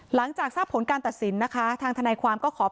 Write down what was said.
หลังจากทราบผลการตัดสินทางธนาความก็ขอประกันตัว